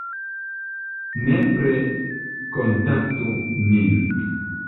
Nepre kontaktu nin!